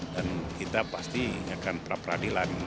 dan kita pasti akan peradilan